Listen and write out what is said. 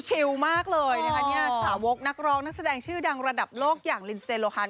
ชิลมากเลยสาวกนักร้องนักแสดงชื่อดังระดับโลกอย่างลินเซโลฮาร์